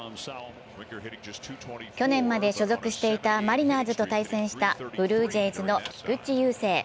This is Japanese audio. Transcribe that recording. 去年まで所属していたマリナーズと対戦したブルージェイズの菊池雄星。